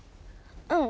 うん。